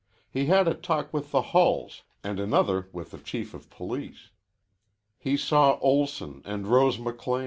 He had a talk with the Hulls and another with the Chief of Police. He saw Olson and Rose McLean.